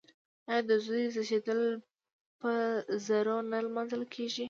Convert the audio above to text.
آیا د زوی زیږیدل په ډزو نه لمانځل کیږي؟